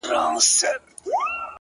• ویل بار د ژوندانه مي کړه ملا ماته,